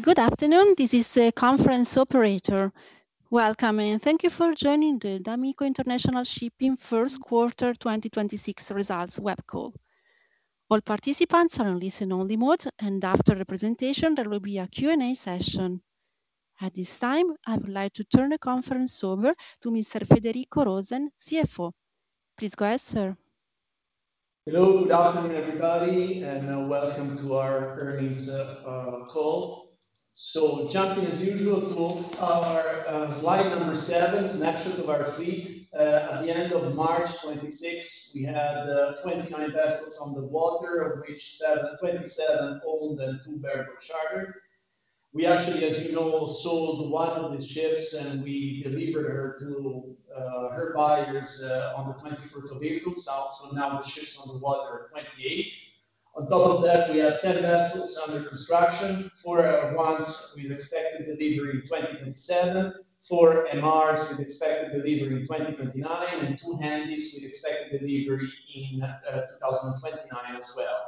Good afternoon. This is the conference operator. Welcome, and thank you for joining the d'Amico International Shipping first quarter 2026 results web call. All participants are on listen-only mode, and after the presentation, there will be a Q&A session. At this time, I would like to turn the conference over to Mr. Federico Rosen, CFO. Please go ahead, sir. Hello. Good afternoon, everybody, and welcome to our earnings call. Jumping as usual to our slide number seven, snapshot of our fleet. At the end of March 2026, we had 29 vessels on the water, of which 27 owned and two bareboat chartered. We actually, as you know, sold one of these ships, and we delivered her to her buyers on the 21st of April. Now the ships on the water are 28. On top of that, we have 10 vessels under construction. Four LR1s we've expected delivery in 2027. Four MRs with expected delivery in 2029, and two Handysize with expected delivery in 2029 as well.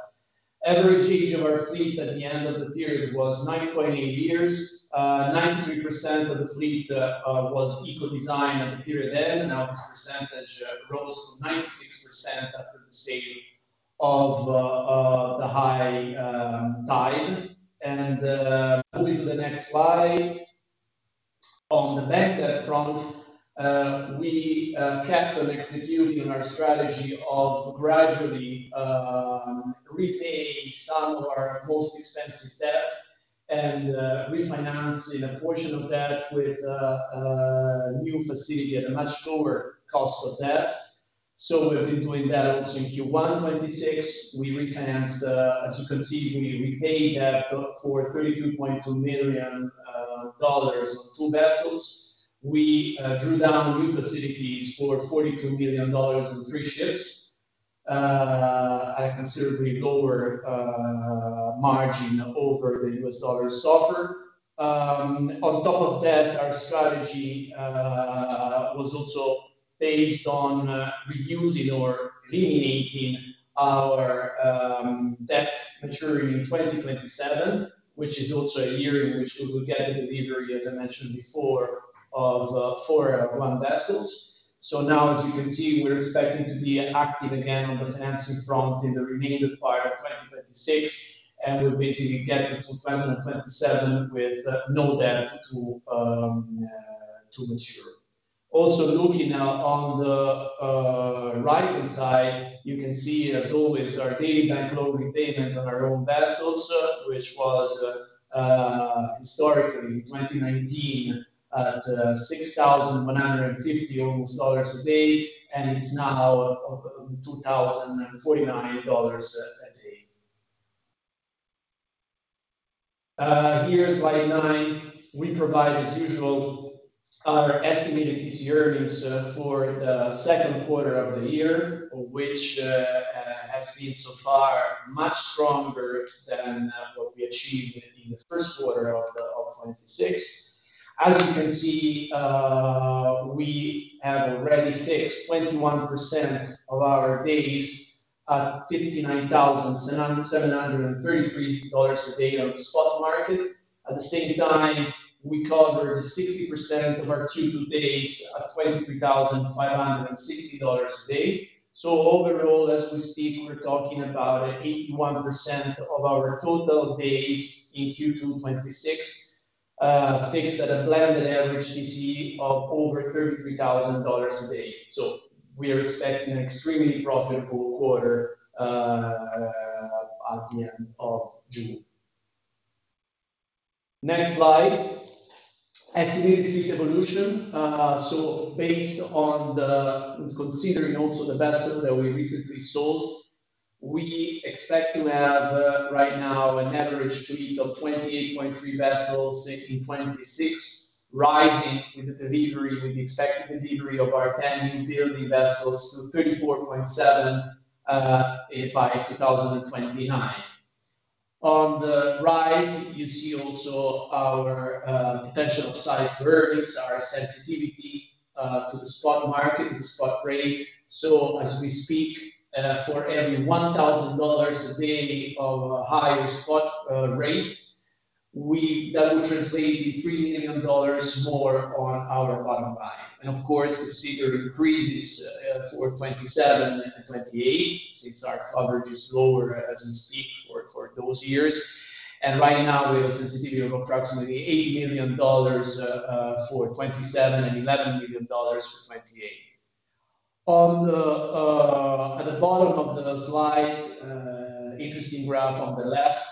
Average age of our fleet at the end of the period was 9.8 years. 93% of the fleet was eco-design at the period-end. This percentage rose to 96% after the sale of the High Tide. Moving to the next slide. On the bank debt front, we kept on executing our strategy of gradually repaying some of our most expensive debt and refinancing a portion of that with a new facility at a much lower cost of debt. We've been doing that also in Q1 2026. As you can see, we repaid debt for $32.2 million on two vessels. We drew down new facilities for $42 million on three ships at a considerably lower margin over the U.S. dollar SOFR. On top of that, our strategy was also based on reducing or eliminating our debt maturing in 2027, which is also a year in which we will get the delivery, as I mentioned before, of four of LR1 vessels. Now, as you can see, we're expecting to be active again on the financing front in the remainder part of 2026, and we'll basically get to 2027 with no debt to mature. Also looking on the right-hand side, you can see as always our daily bank loan repayment on our own vessels, which was historically in 2019 at $6,150 almost a day, and it's now up at $2,049 a day. Here slide nine. We provide as usual our estimated TC earnings for the second quarter of the year, which has been so far much stronger than what we achieved in the first quarter of 2026. As you can see, we have already fixed 21% of our days at $59,733 a day on the spot market. At the same time, we covered 60% of our Q2 days at $23,560 a day. Overall, as we speak, we're talking about 81% of our total days in Q2 2026 fixed at a blended average TC of over $33,000 a day. We are expecting an extremely profitable quarter at the end of June. Next slide. Estimated fleet evolution. Considering also the vessel that we recently sold, we expect to have right now an average fleet of 28.3 vessels in 2026, rising with the expected delivery of our 10 new building vessels to 34.7 by 2029. On the right, you see also our potential upside earnings, our sensitivity to the spot market, to the spot rate. As we speak, for every $1,000 a day of a higher spot rate, that would translate in $3 million more on our bottom line. Of course, the figure increases for 2027 and 2028 since our coverage is lower as we speak for those years. Right now, we have a sensitivity of approximately $8 million for 2027 and $11 million for 2028. On the at the bottom of the slide, interesting graph on the left.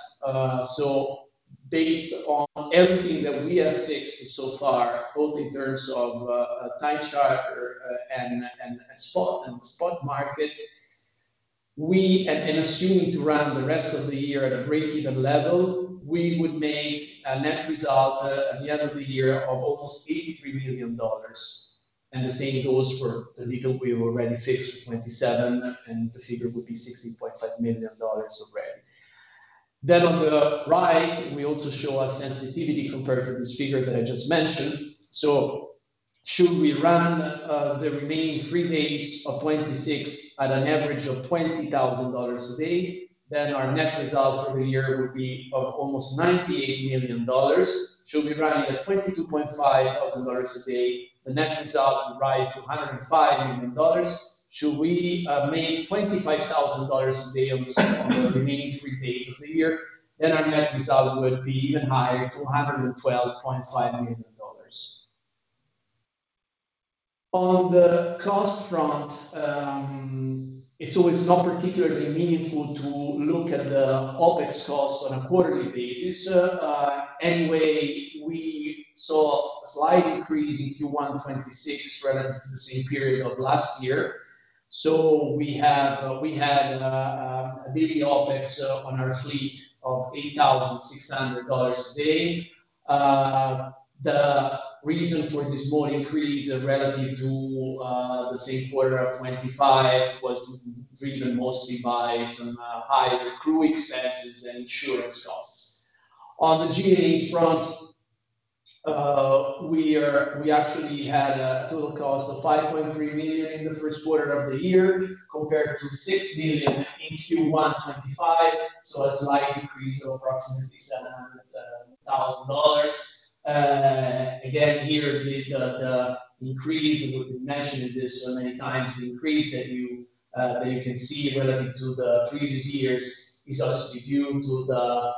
Based on everything that we have fixed so far, both in terms of time charter and spot and the spot market, and assuming to run the rest of the year at a breakeven level, we would make a net result at the end of the year of almost $83 million. The same goes for the little we've already fixed for 2027, and the figure would be $16.5 million already. On the right, we also show our sensitivity compared to this figure that I just mentioned. Should we run the remaining three days of 2026 at an average of $20,000 a day, then our net result for the year would be of almost $98 million. Should we run at $22,500 a day, the net result would rise to $105 million. Should we make $25,000 a day on these, on the remaining three days of the year, our net result would be even higher to $112.5 million. On the cost front, it's always not particularly meaningful to look at the OpEx costs on a quarterly basis. Anyway, we saw a slight increase in Q1 2026 relative to the same period of last year. We had a daily OpEx on our fleet of $8,600 a day. The reason for this small increase relative to the same quarter of 2025 was driven mostly by some higher crew expenses and insurance costs. On the G&A front, we actually had a total cost of $5.3 million in the first quarter of the year compared to $6 million in Q1 2025. A slight increase of approximately $700,000. Again, here the, the increase, we mentioned this many times, the increase that you that you can see relative to the previous years is obviously due to the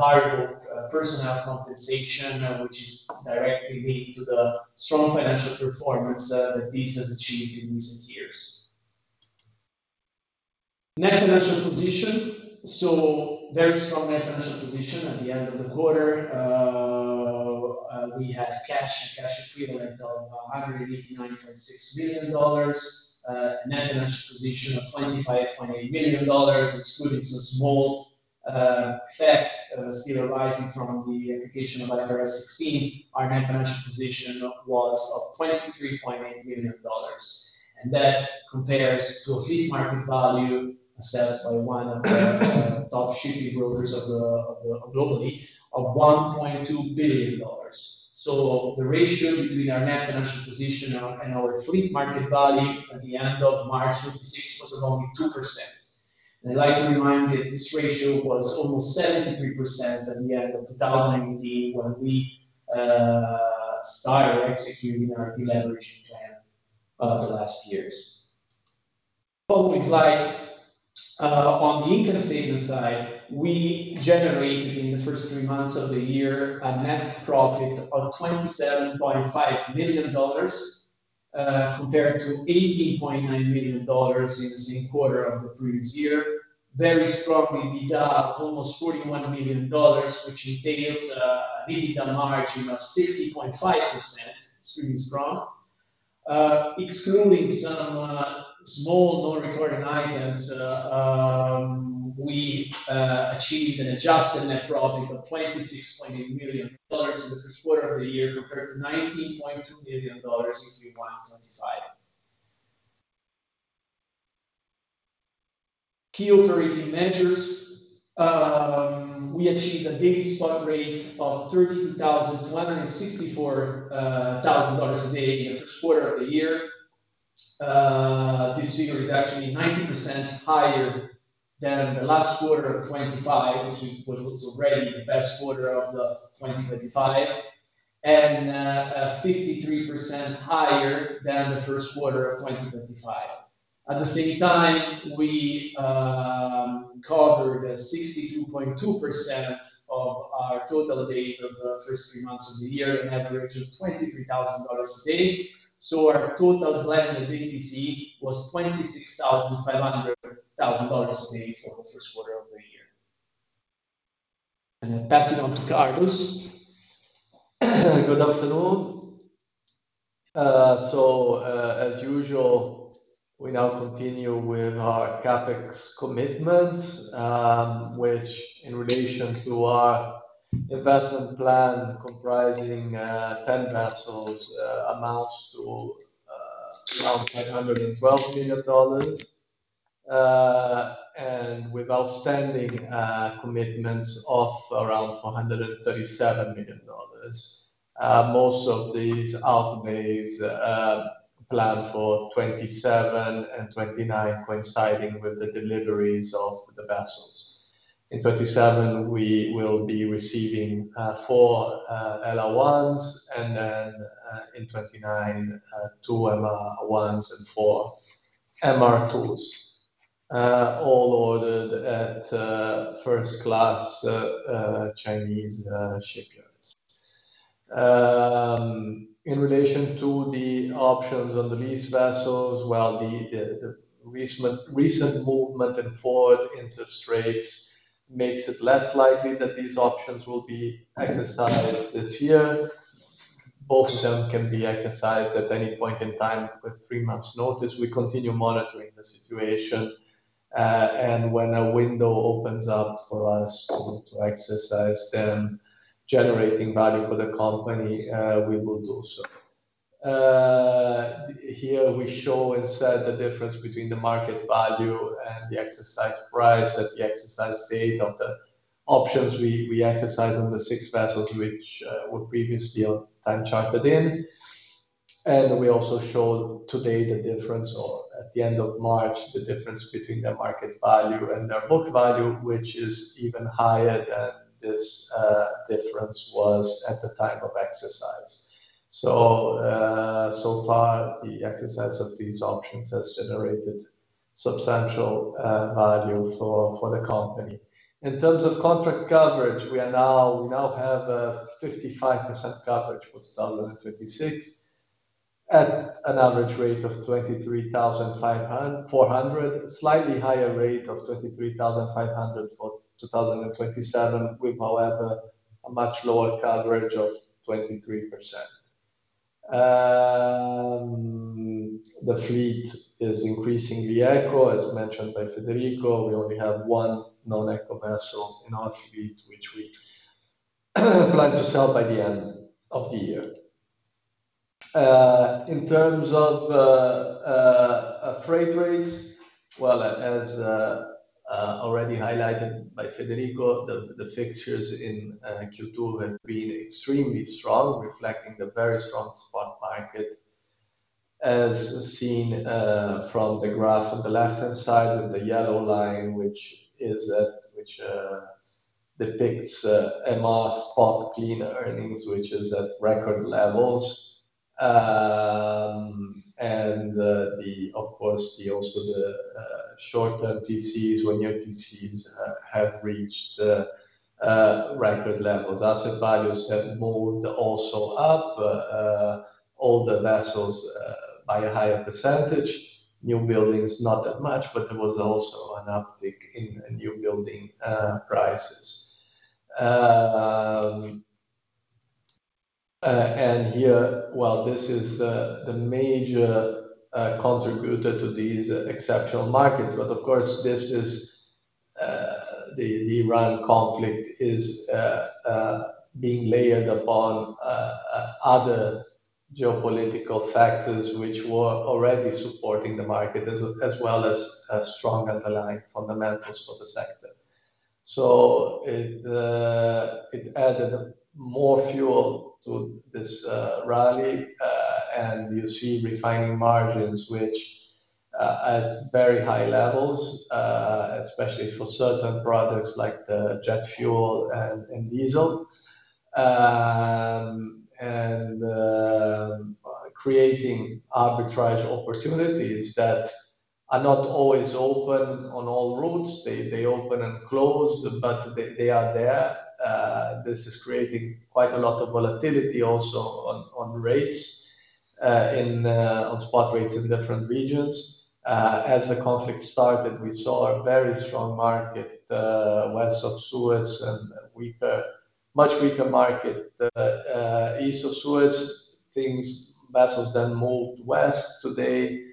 higher personnel compensation, which is directly linked to the strong financial performance that this has achieved in recent years. Net financial position. Very strong net financial position at the end of the quarter. We had cash and cash equivalent of $189.6 million. Net financial position of $25.8 million, excluding some small effects still arising from the application of IFRS 16. Our net financial position was of $23.8 million. That compares to a fleet market value assessed by one of the top shipping brokers globally of $1.2 billion. The ratio between our net financial position and our fleet market value at the end of March 2026 was only 2%. I'd like to remind that this ratio was almost 73% at the end of 2018 when we started executing our deleveraging plan of the last years. Following slide. On the income statement side, we generated in the first three months of the year a net profit of $27.5 million compared to $18.9 million in the same quarter of the previous year. Very strong EBITDA almost $41 million, which entails an EBITDA margin of 60.5%. Extremely strong. Excluding some small non-recurring items, we achieved an adjusted net profit of $26.8 million in the first quarter of the year compared to $19.2 million in Q1 2025. Key operating measures. We achieved a daily spot rate of $32,164 a day in the first quarter of the year. This figure is actually 90% higher than the last quarter of 2025, which was already the best quarter of 2025, and 53% higher than the first quarter of 2025. At the same time, we covered 62.2% of our total days of the first three months of the year, an average of $23,000 a day. Our total blended ADTC was $26,500 a day for the first quarter of the year. Passing on to Carlos. Good afternoon. As usual, we now continue with our CapEx commitments, which in relation to our investment plan comprising 10 vessels, amounts to around $512 million. With outstanding commitments of around $437 million. Most of these outlays planned for 2027 and 2029 coinciding with the deliveries of the vessels. In 2027 we will be receiving four LR1s and then in 2029, two LR1s and four MR2s. All ordered at first-class Chinese shipyards. In relation to the options on the lease vessels, well, the recent movement in forward interest rates makes it less likely that these options will be exercised this year. Both of them can be exercised at any point in time with three months' notice. We continue monitoring the situation, and when a window opens up for us to exercise them generating value for the company, we will do so. Here we show the difference between the market value and the exercise price at the exercise date of the options we exercised on the six vessels which were previously time-chartered in. We also showed today the difference, or at the end of March, the difference between their market value and their book value, which is even higher than this difference was at the time of exercise. So far, the exercise of these options has generated substantial value for the company. In terms of contract coverage, we now have a 55% coverage for 2026 at an average rate of $23,400. Slightly higher rate of $23,500 for 2027 with, however, a much lower coverage of 23%. The fleet is increasingly eco-design, as mentioned by Federico. We only have one non-eco-design vessel in our fleet, which we plan to sell by the end of the year. In terms of freight rates, well, as already highlighted by Federico, the fixtures in Q2 have been extremely strong, reflecting the very strong spot market as seen from the graph on the left-hand side with the yellow line, which depicts MR spot clean earnings, which is at record levels. Of course, the also the short-term TCs, one-year TCs have reached record levels. Asset values have moved also up, older vessels by a higher percentage. New buildings, not that much, but there was also an uptick in new building prices. Here, while this is the major contributor to these exceptional markets, of course, this is the Iran conflict is being layered upon other geopolitical factors which were already supporting the market as well as strong underlying fundamentals for the sector. It added more fuel to this rally. You see refining margins which at very high levels, especially for certain products like the jet fuel and diesel. Creating arbitrage opportunities that are not always open on all routes. They open and close, they are there. This is creating quite a lot of volatility also on rates in on spot rates in different regions. As the conflict started, we saw a very strong market West of Suez and much weaker market East of Suez. Vessels then moved West today.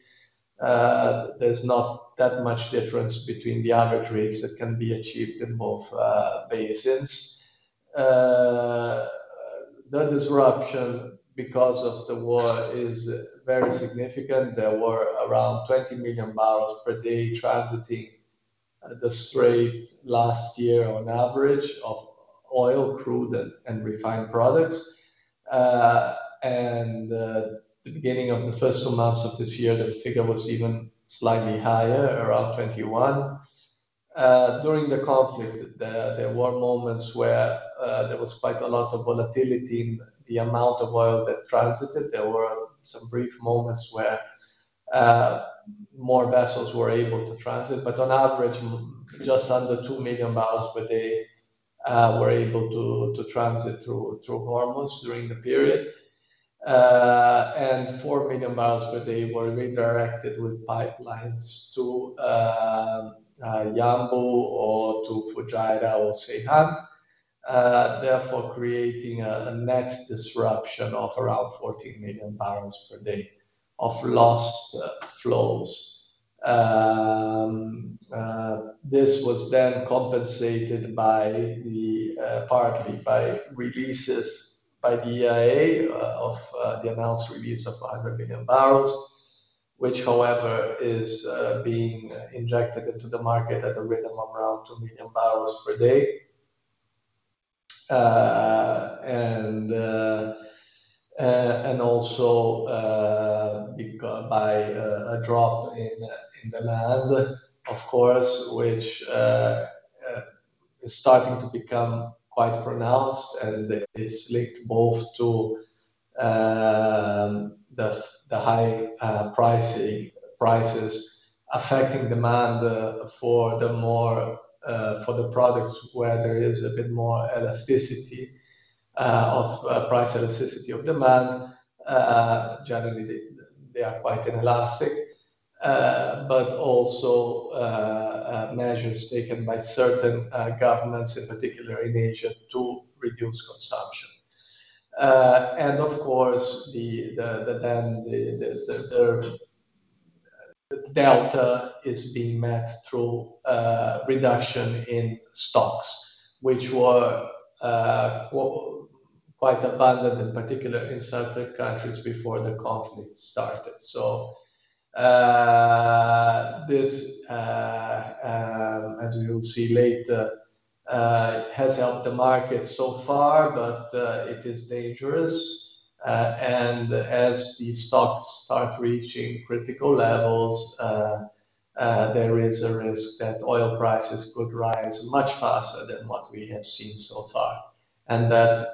There's not that much difference between the average rates that can be achieved in both basins. The disruption because of the war is very significant. There were around 20 million barrels per day transiting the Strait last year on average of oil, crude and refined products. The beginning of the first two months of this year, the figure was even slightly higher, around 21. During the conflict, there were moments where there was quite a lot of volatility in the amount of oil that transited. There were some brief moments where more vessels were able to transit. On average, just under 2 million barrels per day were able to transit through Hormuz during the period. 4 million barrels per day were redirected with pipelines to Yanbu or to Fujairah or Ceyhan, therefore creating a net disruption of around 14 million barrels per day of lost flows. This was then compensated partly by releases by the EIA of the announced release of 500 million barrels, which however is being injected into the market at a rhythm of around 2 million barrels per day. Also, by a drop in demand, of course, which is starting to become quite pronounced and is linked both to the high prices affecting demand for the more, for the products where there is a bit more elasticity of price elasticity of demand. Generally they are quite inelastic. Also, measures taken by certain governments, in particular in Asia, to reduce consumption. Of course, the delta is being met through reduction in stocks, which were quite abundant, in particular in certain countries before the conflict started. This, as we will see later, has helped the market so far, but it is dangerous. As the stocks start reaching critical levels, there is a risk that oil prices could rise much faster than what we have seen so far, and that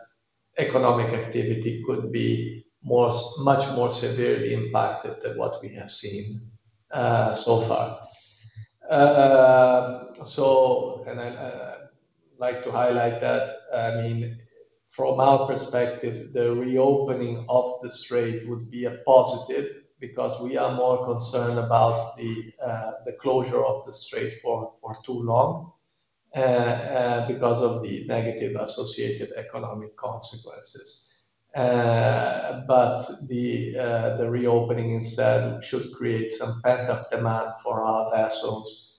economic activity could be much more severely impacted than what we have seen so far. I like to highlight that, I mean, from our perspective, the reopening of the Strait would be a positive because we are more concerned about the closure of the Strait for too long because of the negative associated economic consequences. The reopening instead should create some pent-up demand for our vessels,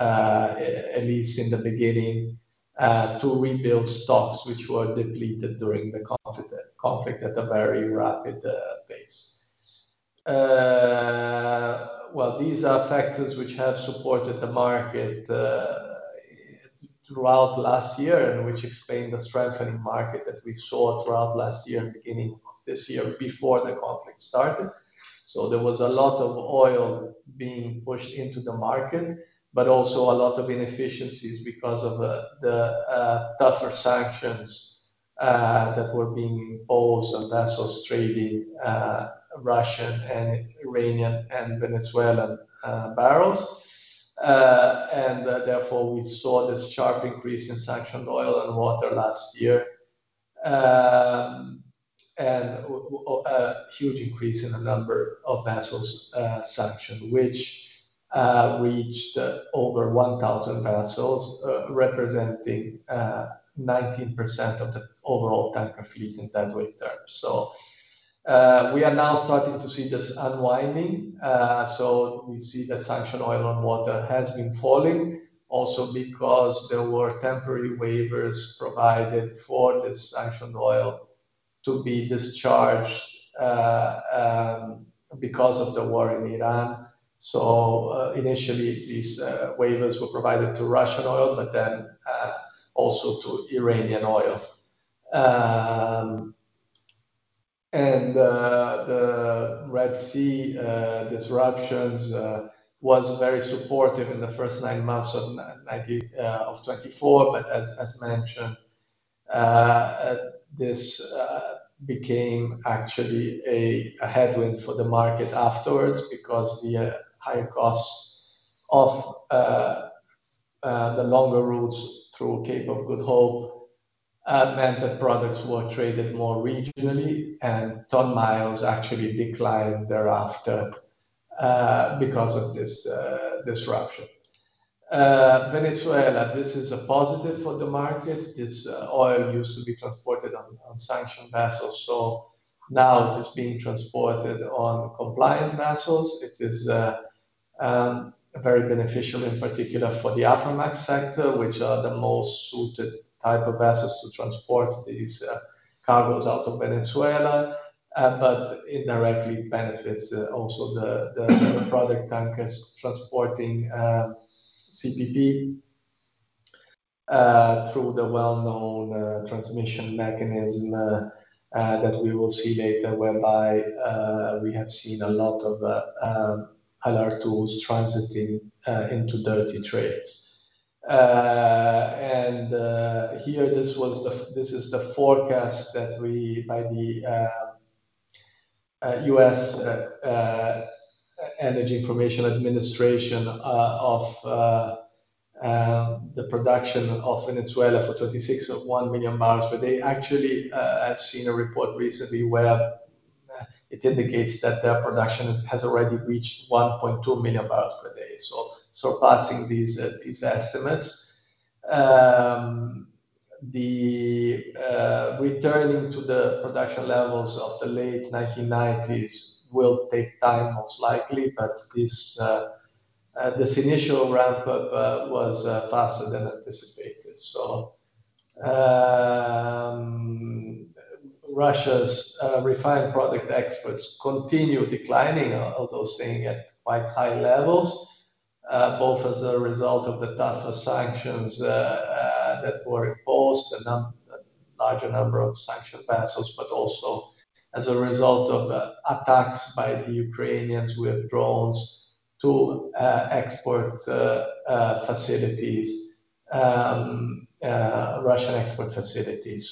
at least in the beginning, to rebuild stocks which were depleted during the conflict at a very rapid pace. These are factors which have supported the market throughout last year and which explain the strengthening market that we saw throughout last year and beginning of this year before the conflict started. There was a lot of oil being pushed into the market, but also a lot of inefficiencies because of the tougher sanctions that were being imposed on vessels trading Russian and Iranian and Venezuelan barrels. And therefore, we saw this sharp increase in sanctioned oil on water last year. And a huge increase in the number of vessels sanctioned, which reached over 1,000 vessels, representing 19% of the overall tanker fleet in deadweight terms. We are now starting to see this unwinding. We see that sanctioned oil on water has been falling also because there were temporary waivers provided for this sanctioned oil to be discharged because of the war in Iran. Initially these waivers were provided to Russian oil, also to Iranian oil. The Red Sea disruptions was very supportive in the first nine months of 2024. As mentioned, this became actually a headwind for the market afterwards because the higher costs of the longer routes through Cape of Good Hope meant that products were traded more regionally and ton-miles actually declined thereafter because of this disruption. Venezuela, this is a positive for the market. This oil used to be transported on sanctioned vessels. Now it is being transported on compliant vessels. It is very beneficial in particular for the Aframax sector, which are the most suited type of vessels to transport these cargoes out of Venezuela. Indirectly it benefits also the product tankers transporting CPP through the well-known transmission mechanism that we will see later, whereby we have seen a lot of LR2s transiting into dirty trades. Here, this is the forecast that we by the U.S. Energy Information Administration of the production of Venezuela for 26.1 million barrels per day. Actually, I've seen a report recently where it indicates that their production has already reached 1.2 million barrels per day, so surpassing these estimates. The returning to the production levels of the late 1990s will take time, most likely, but this initial ramp-up was faster than anticipated. Russia's refined product exports continue declining, although staying at quite high levels, both as a result of the tougher sanctions that were imposed and a larger number of sanctioned vessels, but also as a result of attacks by the Ukrainians with drones to export facilities, Russian export facilities.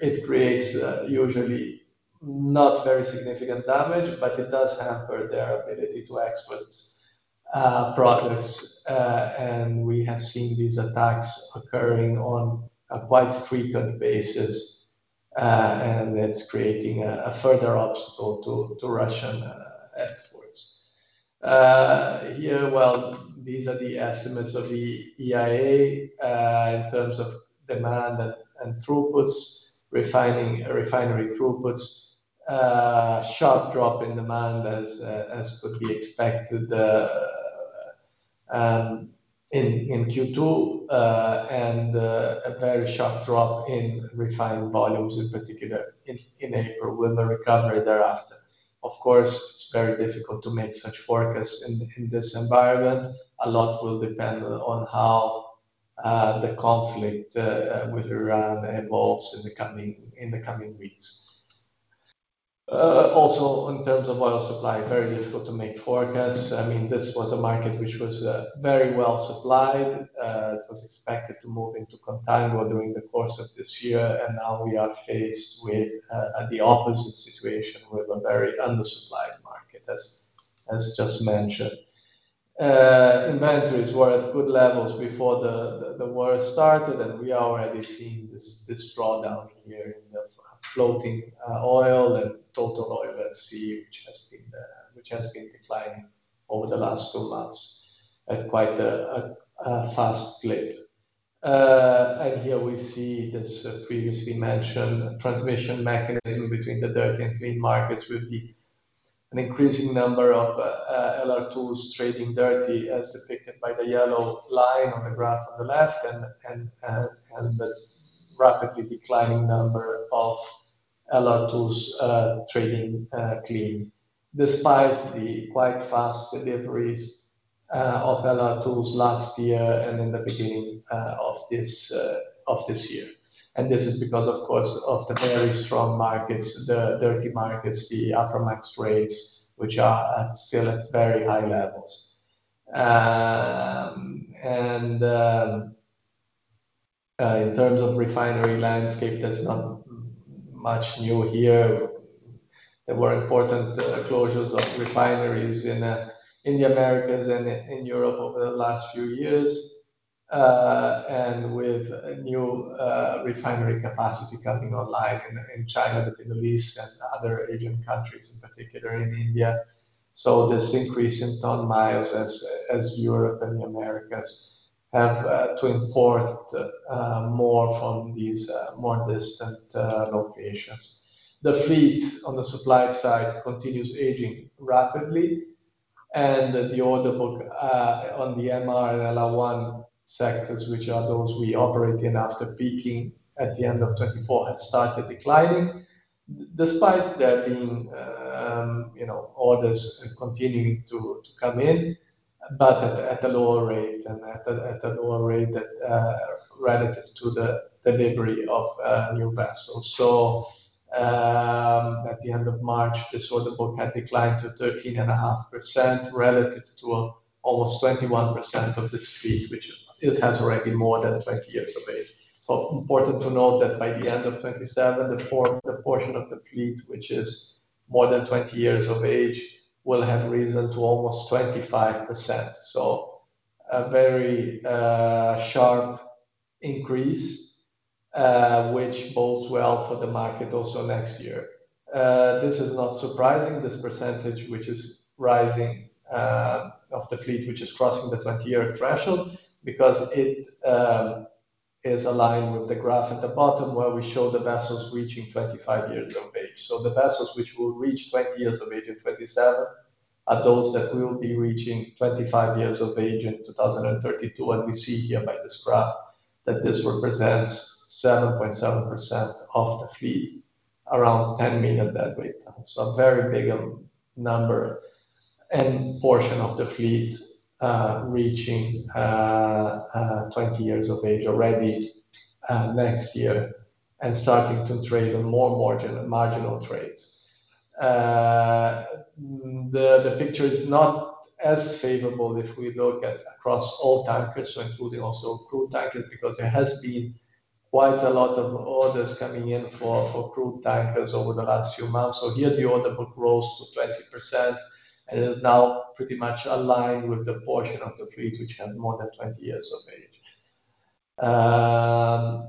It creates usually not very significant damage, but it does hamper their ability to export products. We have seen these attacks occurring on a quite frequent basis, and it's creating a further obstacle to Russian exports. These are the estimates of the EIA in terms of demand and throughputs, refinery throughputs. Sharp drop in demand as could be expected in Q2, and a very sharp drop in refined volumes in particular in April, with a recovery thereafter. Of course, it's very difficult to make such forecasts in this environment. A lot will depend on how the conflict with Iran evolves in the coming weeks. In terms of oil supply, very difficult to make forecasts. I mean, this was a market which was very well-supplied. It was expected to move into contango during the course of this year, and now we are faced with the opposite situation with a very undersupplied market as just mentioned. Inventories were at good levels before the war started, and we are already seeing this drawdown here in the floating oil and total oil at sea, which has been declining over the last two months at quite a fast clip. Here we see this previously mentioned transmission mechanism between the dirty and clean markets with an increasing number of LR2s trading dirty as depicted by the yellow line on the graph on the left and the rapidly declining number of LR2s trading clean. Despite the quite fast deliveries of LR2s last year and in the beginning of this year. This is because, of course, of the very strong markets, the dirty markets, the Aframax rates, which are still at very high levels. In terms of refinery landscape, there's not much new here. There were important closures of refineries in the Americas and in Europe over the last few years. With new refinery capacity coming online in China, the Middle East, and other Asian countries, in particular in India. This increase in ton-miles as Europe and the Americas have to import more from these more distant locations. The fleet on the supply side continues aging rapidly, and the order book on the MR and LR1 sectors, which are those we operate in after peaking at the end of 2024 had started declining. Despite there being, you know, orders continuing to come in, but at a lower rate and at a lower rate that relative to the delivery of new vessels. At the end of March, this order book had declined to 13.5% relative to almost 21% of this fleet, which it has already more than 20 years of age. Important to note that by the end of 2027, the portion of the fleet, which is more than 20 years of age, will have risen to almost 25%. A very sharp increase, which bodes well for the market also next year. This is not surprising, this percentage, which is rising, of the fleet, which is crossing the 20-year threshold, because it is aligned with the graph at the bottom where we show the vessels reaching 25 years of age. The vessels which will reach 20 years of age in 2027 are those that will be reaching 25 years of age in 2032. We see here by this graph that this represents 7.7% of the fleet, around 10 million deadweight tons. A very big number and portion of the fleet, reaching 20 years of age already next year and starting to trade on more marginal trades. The picture is not as favorable if we look at across all tankers, including also crude tankers, because there has been quite a lot of orders coming in for crude tankers over the last few months. Here the order book rose to 20% and is now pretty much aligned with the portion of the fleet which has more than 20 years of age.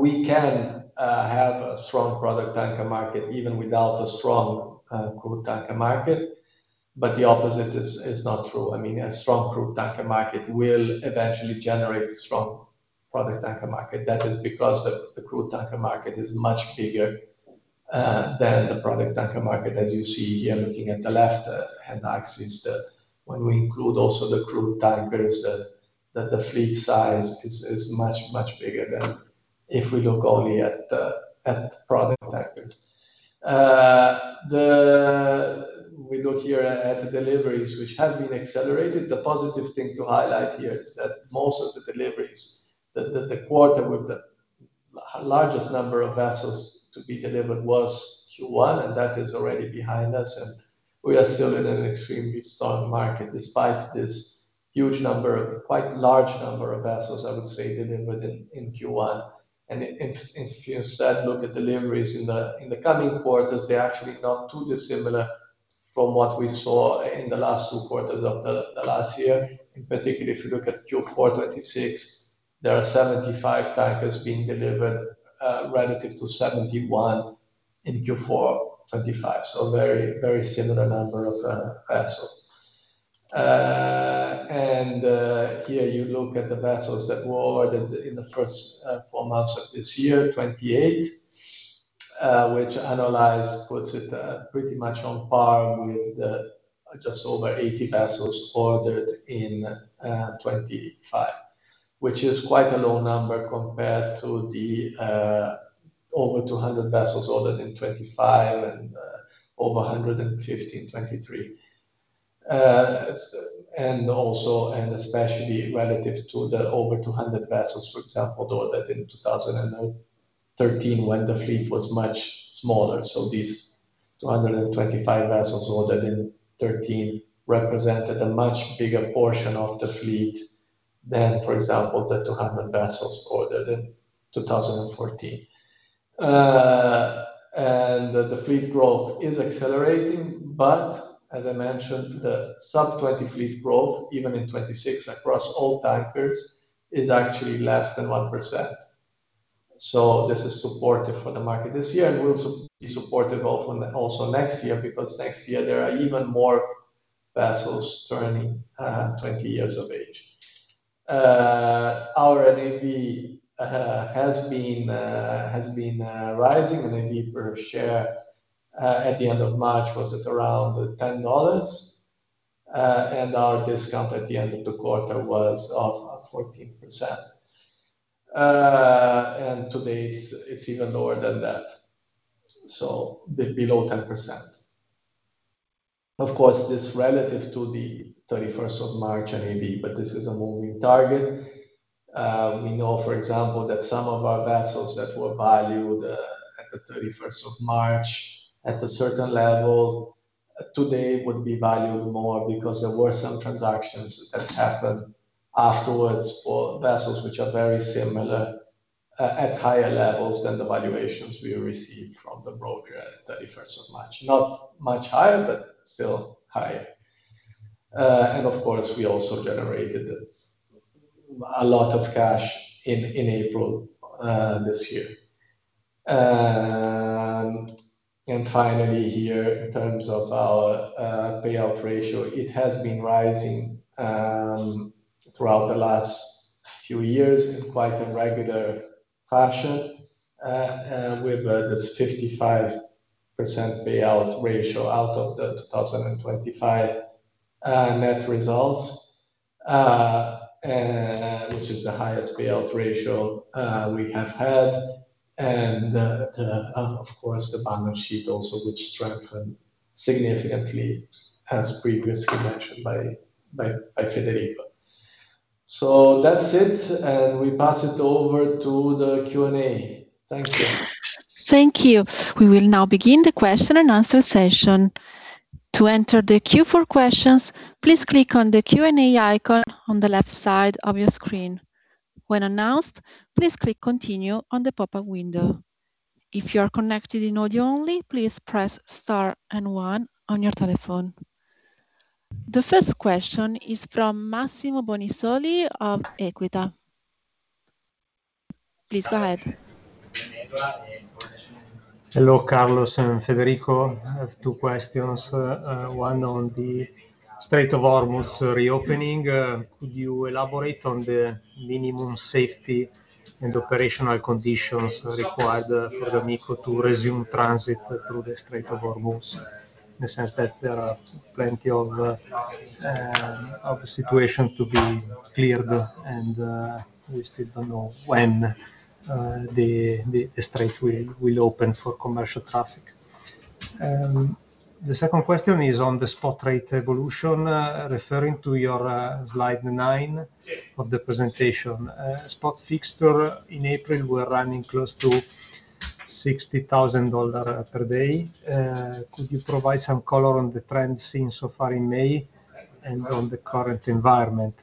We can have a strong product tanker market even without a strong crude tanker market, but the opposite is not true. I mean, a strong crude tanker market will eventually generate strong product tanker market. That is because the crude tanker market is much bigger than the product tanker market. As you see here, looking at the left-hand axis that when we include also the crude tankers, that the fleet size is much, much bigger than if we look only at product tankers. We look here at the deliveries which have been accelerated. The positive thing to highlight here is that most of the deliveries, the quarter with the largest number of vessels to be delivered was Q1, and that is already behind us, and we are still in an extremely strong market despite this quite large number of vessels, I would say, delivered in Q1. If you said look at deliveries in the coming quarters, they're actually not too dissimilar from what we saw in the last two quarters of the last year. In particular, if you look at Q4 2026, there are 75 tankers being delivered, relative to 71 in Q4 2025. Very similar number of vessels. Here you look at the vessels that were ordered in the first four months of this year, 28, which analysts puts it pretty much on par with the just over 80 vessels ordered in 2025. Which is quite a low number compared to the over 200 vessels ordered in 2025 and over 115 2023. And also, and especially relative to the over 200 vessels, for example, ordered in 2013 when the fleet was much smaller. These 225 vessels ordered in 2013 represented a much bigger portion of the fleet than, for example, the 200 vessels ordered in 2014. The supply fleet growth, even in 2026 across all tankers, is actually less than 1%. This is supportive for the market this year, and will be supportive also next year because next year there are even more vessels turning 20 years of age. Our NAV has been rising. NAV per share at the end of March was at around $10. Our discount at the end of the quarter was of 14%. Today it's even lower than that, bit below 10%. Of course, this relative to the 31st of March NAV, but this is a moving target. We know, for example, that some of our vessels that were valued at the 31st of March at a certain level, today would be valued more because there were some transactions that happened afterwards for vessels which are very similar at higher levels than the valuations we received from the broker at the 31st of March. Not much higher, but still higher. Of course, we also generated a lot of cash in April this year. Finally here, in terms of our payout ratio, it has been rising throughout the last few years in quite a regular fashion. With this 55% payout ratio out of the 2025 net results. Which is the highest payout ratio we have had. Of course, the balance sheet also, which strengthened significantly as previously mentioned by Federico. That's it, and we pass it over to the Q&A. Thank you. Thank you. We will now begin the question-and-answer session. To enter the queue for questions, please click on the Q&A icon on the left side of your screen. When announced, please click continue on the pop-up window. If you are connected in audio-only, please press star and one on your telephone. The first question is from Massimo Bonisoli of Equita. Please go ahead. Hello, Carlos and Federico. I have two questions. One on the Strait of Hormuz reopening. Could you elaborate on the minimum safety and operational conditions required for the d'Amico to resume transit through the Strait of Hormuz? In the sense that there are plenty of situation to be cleared and we still don't know when the Strait will open for commercial traffic. The second question is on the spot rate evolution. Referring to your slide 9 of the presentation. Spot fixture in April were running close to $60,000 per day. Could you provide some color on the trends seen so far in May and on the current environment?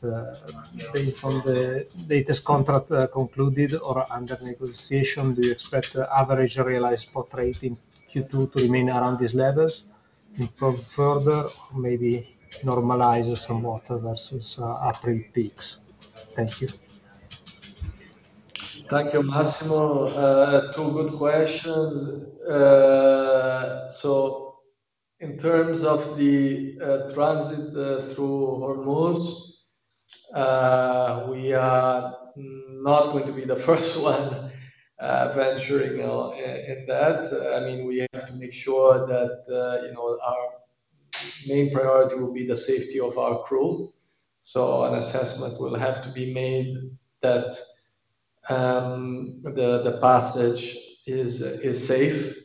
Based on the latest contract, concluded or under negotiation, do you expect the average realized spot rate in Q2 to remain around these levels, improve further, or maybe normalize somewhat versus April peaks? Thank you. Thank you, Massimo. Two good questions. In terms of the transit through Hormuz, we are not going to be the first one venturing in that. I mean, we have to make sure that, you know, our main priority will be the safety of our crew. An assessment will have to be made that the passage is safe.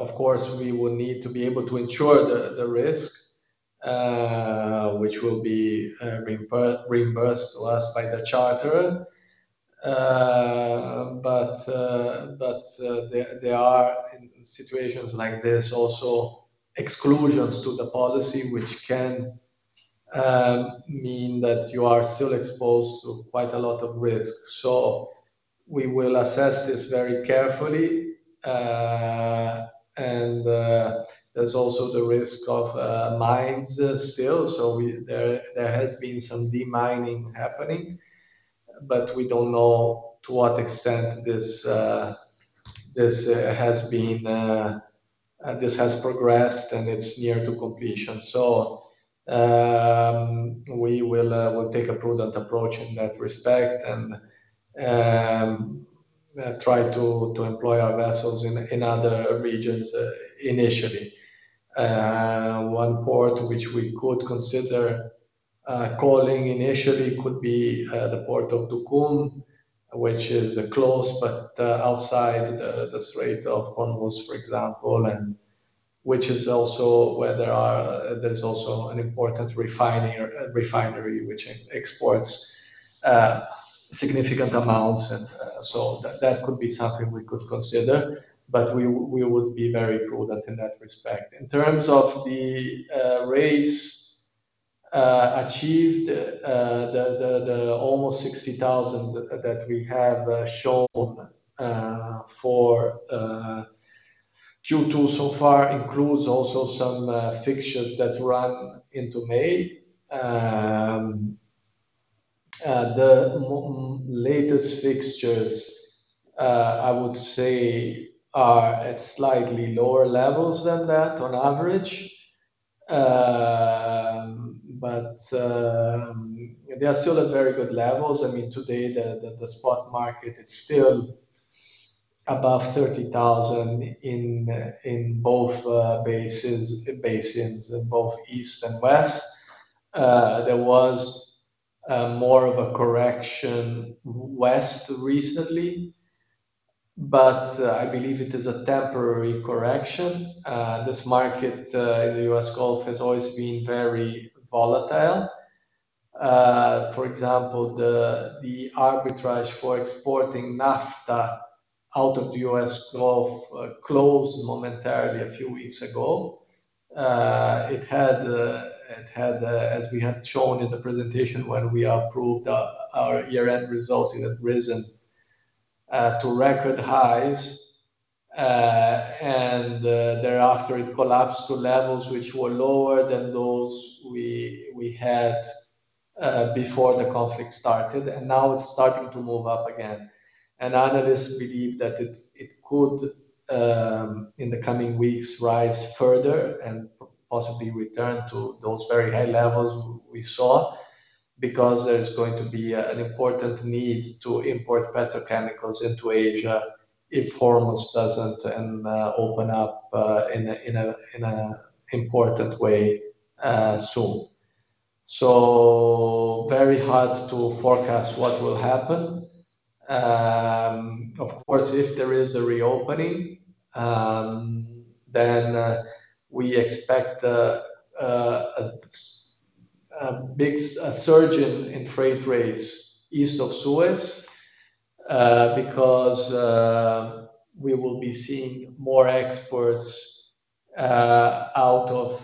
Of course, we will need to be able to insure the risk which will be reimbursed to us by the charterer. There are, in situations like this, also exclusions to the policy which can mean that you are still exposed to quite a lot of risk. We will assess this very carefully. There's also the risk of mines still. There has been some de-mining happening, but we don't know to what extent this has been, this has progressed and it's near to completion. We will take a prudent approach in that respect and try to employ our vessels in other regions initially. One port which we could consider calling initially could be the port of Duqm, which is close but outside the Strait of Hormuz, for example, and which is also where there's also an important refinery which exports significant amounts. That could be something we could consider, but we would be very prudent in that respect. In terms of the rates achieved, the almost $60,000 that we have shown for Q2 so far includes also some fixtures that run into May. The latest fixtures, I would say are at slightly lower levels than that on average. They are still at very good levels. I mean, today the spot market is still above $30,000 in both basins in both East and West. There was more of a correction West recently, but I believe it is a temporary correction. This market in the U.S. Gulf has always been very volatile. For example, the arbitrage for exporting naphtha out of the U.S. Gulf closed momentarily a few weeks ago. It had, as we had shown in the presentation when we approved our year-end results, it had risen to record highs. Thereafter, it collapsed to levels which were lower than those we had before the conflict started. Now it's starting to move up again. Analysts believe that it could in the coming weeks rise further and possibly return to those very high levels we saw because there's going to be an important need to import petrochemicals into Asia if Hormuz doesn't and open up in an important way soon. Very hard to forecast what will happen. Of course, if there is a reopening, then we expect a surge in freight rates East of Suez, because we will be seeing more exports out of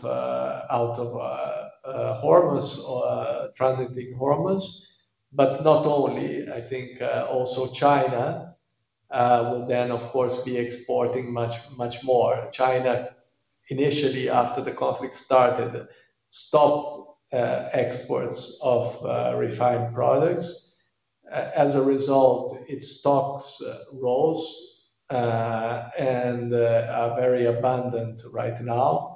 Hormuz or transiting Hormuz. Not only, I think, also China will then of course be exporting much more. China initially after the conflict started stopped exports of refined products. As a result, its stocks rose and are very abundant right now.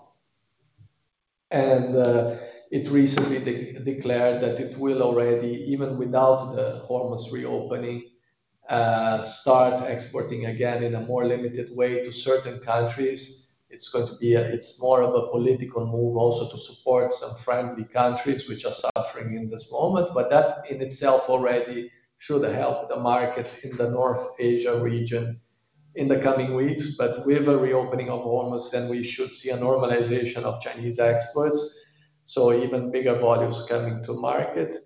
It recently declared that it will already, even without the Hormuz reopening, start exporting again in a more limited way to certain countries. It's more of a political move also to support some friendly countries which are suffering in this moment. That in itself already should help the market in the North Asia region in the coming weeks. With a reopening of Hormuz, we should see a normalization of Chinese exports, so even bigger volumes coming to market.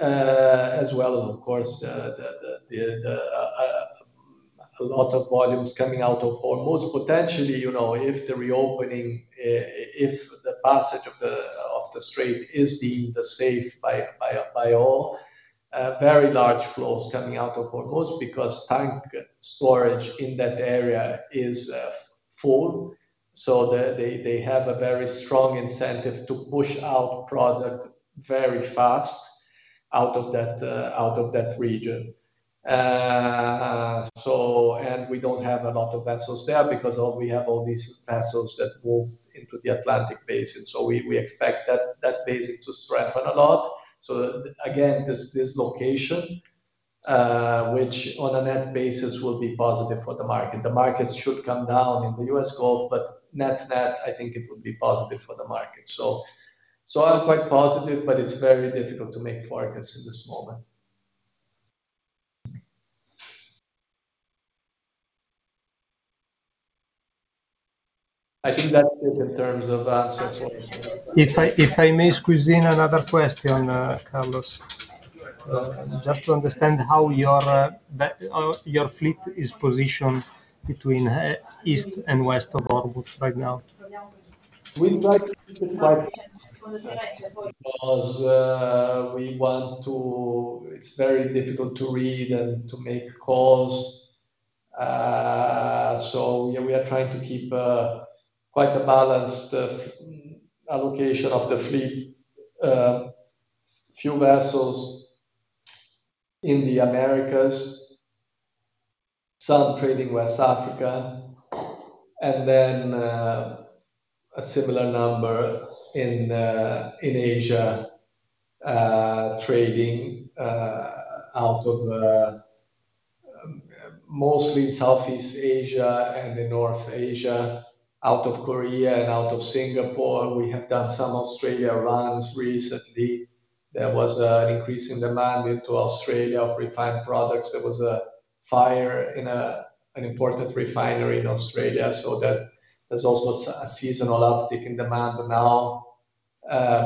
As well as, of course, a lot of volumes coming out of Hormuz. Potentially, you know, if the reopening, if the passage of the Strait is deemed safe by all, very large flows coming out of Hormuz because tank storage in that area is full. They have a very strong incentive to push out product very fast out of that, out of that region. We don't have a lot of vessels there because we have all these vessels that moved into the Atlantic Basin. We expect that basin to strengthen a lot. Again, this dislocation, which on a net basis will be positive for the market. The markets should come down in the U.S. Gulf, but net-net I think it will be positive for the market. I'm quite positive, but it's very difficult to make forecasts in this moment. I think that's it in terms of circulation. If I may squeeze in another question, Carlos, just to understand how your fleet is positioned between East and West of Hormuz right now. We try to keep it tight because it's very difficult to read and to make calls. We are trying to keep quite a balanced allocation of the fleet. Few vessels in the Americas, some trading West Africa, a similar number in Asia, trading out of mostly Southeast Asia and in North Asia, out of Korea and out of Singapore. We have done some Australia runs recently. There was an increase in demand into Australia of refined products. There was a fire in an important refinery in Australia, there's also a seasonal uptick in demand now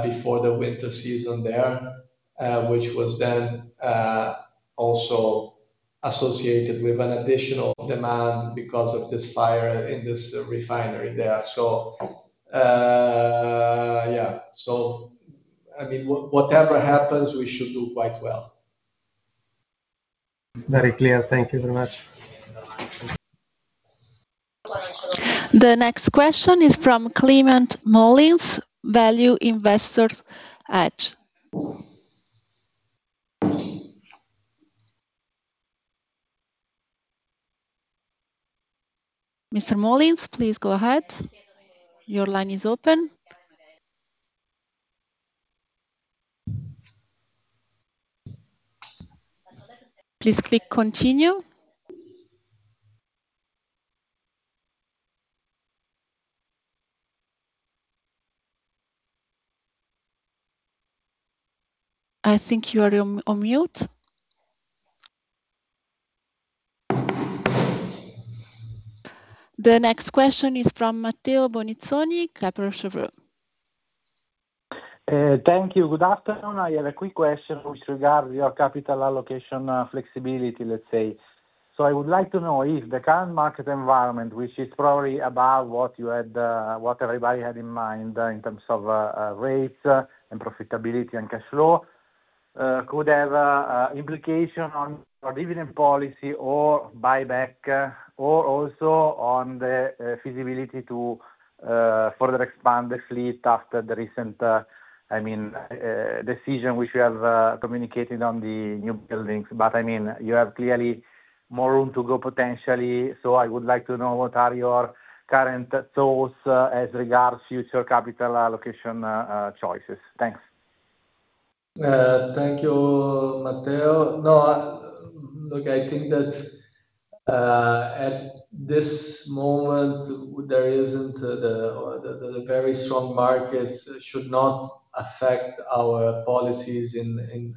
before the winter season there, which was also associated with an additional demand because of this fire in this refinery there. I mean, whatever happens, we should do quite well. Very clear. Thank you very much. The next question is from Climent Molins, Value Investor's Edge. Mr. Molins, please go ahead. Your line is open. Please click continue. I think you are on mute. The next question is from Matteo Bonizzoni, Kepler Cheuvreux. Thank you. Good afternoon. I have a quick question with regard to your capital allocation flexibility, let's say. I would like to know if the current market environment, which is probably about what you had, what everybody had in mind, in terms of rates, and profitability and cash flow, could have a implication on your dividend policy or buyback, or also on the feasibility to further expand the fleet after the recent, I mean, decision which you have communicated on the new buildings. I mean, you have clearly more room to go potentially. I would like to know what are your current thoughts as regards future capital allocation choices. Thanks. Thank you, Matteo. Look, I think that at this moment, there isn't the very strong markets should not affect our policies in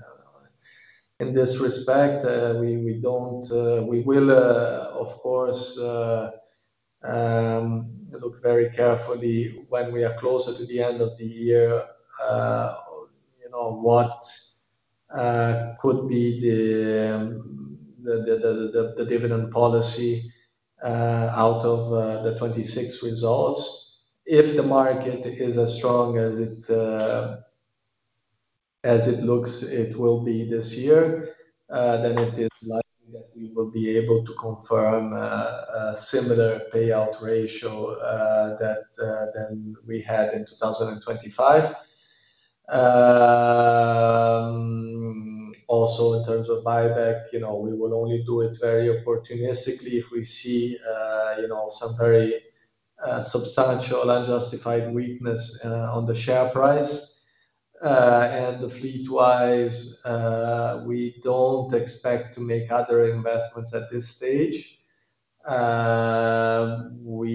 this respect. We will, of course, look very carefully when we are closer to the end of the year, you know, what could be the dividend policy out of the 2026 results. If the market is as strong as it looks it will be this year, then it is likely that we will be able to confirm a similar payout ratio that than we had in 2025. Also in terms of buyback, you know, we will only do it very opportunistically if we see, you know, some very substantial unjustified weakness on the share price. Fleet-wise, we don't expect to make other investments at this stage. We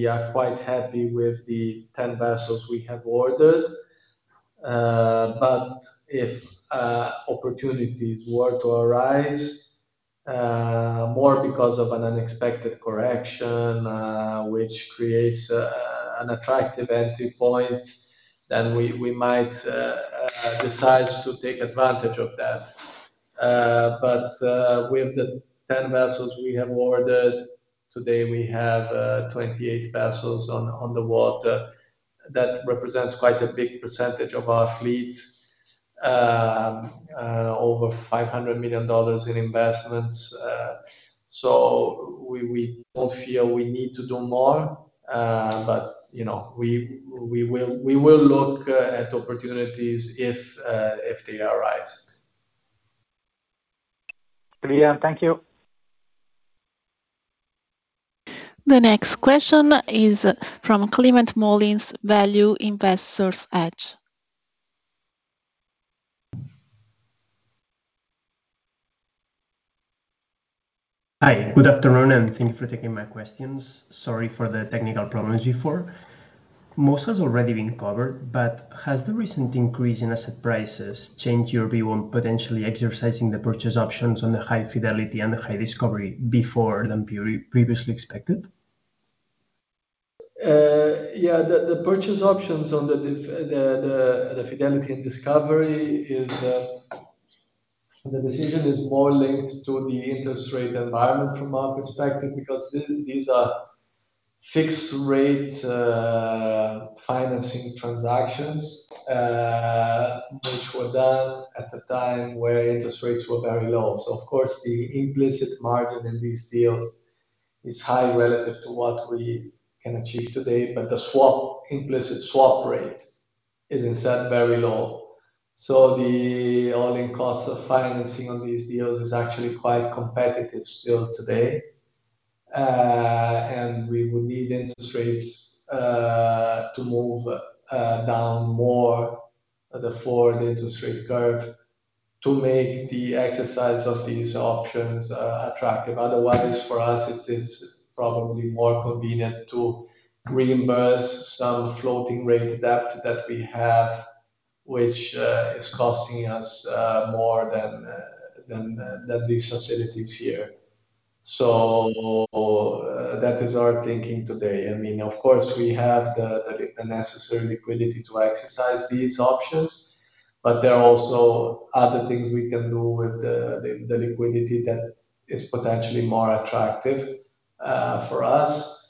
are quite happy with the 10 vessels we have ordered. If opportunities were to arise, more because of an unexpected correction, which creates an attractive entry point, then we might decide to take advantage of that. With the 10 vessels we have ordered today, we have 28 vessels on the water. That represents quite a big percentage of our fleet. Over $500 million in investments. We don't feel we need to do more. You know, we will look at opportunities if they arise. Clear. Thank you. The next question is from Climent Molins, Value Investor's Edge. Hi. Good afternoon, and thank you for taking my questions. Sorry for the technical problems before. Most has already been covered, but has the recent increase in asset prices changed your view on potentially exercising the purchase options on the High Fidelity and the High Discovery before than previously expected? Yeah. The decision is more linked to the interest rate environment from our perspective, because these are fixed rates, financing transactions, which were done at the time where interest rates were very low. Of course, the implicit margin in these deals is high relative to what we can achieve today. The swap, implicit swap rate is instead very low. The all-in cost of financing on these deals is actually quite competitive still today. We would need interest rates to move down more the forward interest rate curve to make the exercise of these options attractive. Otherwise, for us, it is probably more convenient to reimburse some floating rate debt that we have, which is costing us more than than these facilities here. That is our thinking today. I mean, of course, we have the necessary liquidity to exercise these options, but there are also other things we can do with the liquidity that is potentially more attractive for us.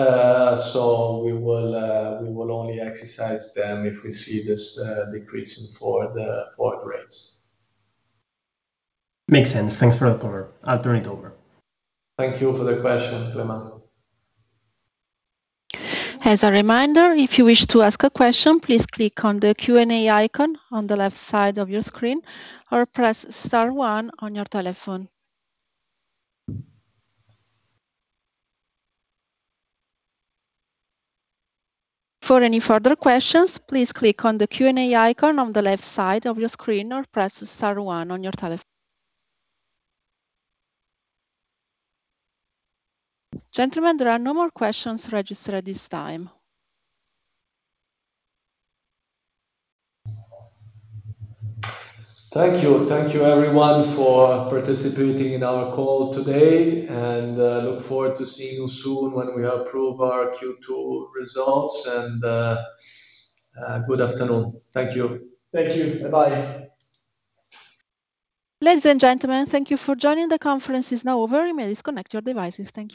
We will only exercise them if we see this decreasing for the forward rates. Makes sense. Thanks for that cover. I'll turn it over. Thank you for the question, Climent. Gentlemen, there are no more questions registered at this time. Thank you. Thank you everyone for participating in our call today, and look forward to seeing you soon when we approve our Q2 results. Good afternoon. Thank you. Thank you. Bye-bye. Ladies and gentlemen, thank you for joining. The conference is now over. You may disconnect your devices. Thank you.